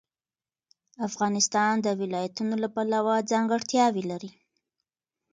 افغانستان د ولایتونو له پلوه ځانګړتیاوې لري.